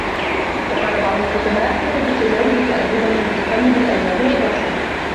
وَقَالَ بَعْضُ الْحُكَمَاءِ كَفَى بِالتَّجَارِبِ تَأَدُّبًا وَبِتَقَلُّبِ الْأَيَّامِ عِظَةً